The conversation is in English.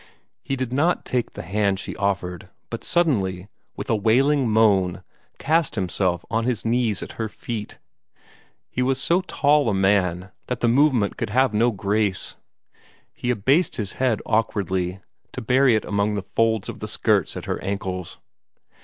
He did not take the hand she offered, but suddenly, with a wailing moan, cast himself on his knees at her feet. He was so tall a man that the movement could have no grace. He abased his head awkwardly, to bury it among the folds of the skirts at her ankles.